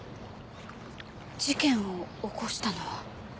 事件を起こしたのは？